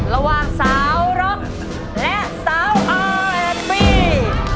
ระหว่างสาวรกและสาวอาร์แอฟพี่